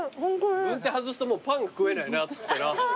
軍手外すとパンが食えないね熱くて。